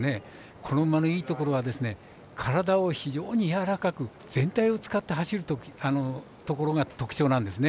この馬のいいところは体を非常にやわらかく全体を使って走るところが特徴なんですね。